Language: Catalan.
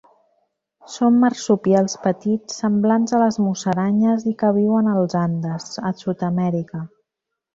Són marsupials petits semblants a les musaranyes i que viuen als Andes, a Sud-amèrica.